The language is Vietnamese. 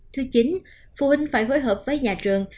thứ chín phụ huynh phải phối hợp với nhà trường